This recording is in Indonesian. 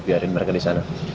biarin mereka disana